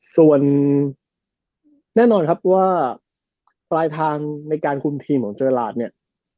ส่วนแน่นอนครับว่าปลายทางในการคุมทีมของเจอราชเนี่ย